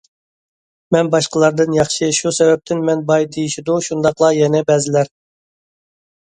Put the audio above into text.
« مەن باشقىلاردىن ياخشى، شۇ سەۋەبتىن مەن باي» دېيىشىدۇ شۇنداقلا يەنە بەزىلەر.